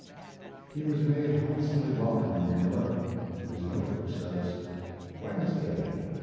He was made handsomely welcome in New York. His note book says: Wednesday.